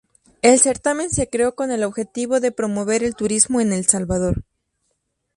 El certamen se creó con el objetivo de promover el turismo en El Salvador.